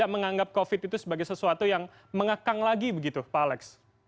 menganggap covid itu sebagai sesuatu yang mengakang lagi begitu pak alex